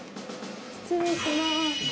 失礼します。